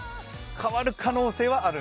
変わる可能性がある。